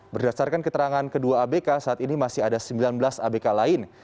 berdasarkan keterangan kedua abk saat ini masih ada sembilan belas abk lain